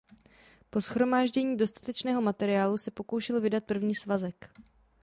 Po shromáždění dostatečného materiálu se pokoušel vydat první svazek.